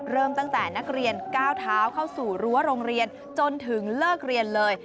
เริ่มตั้งแต่นักเรียนก้าวเท้าเข้าสู่รั้วโรงเรียนจนถึงเลิกเรียนเลย